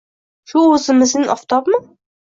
Shu o‘zimizning oftobmi?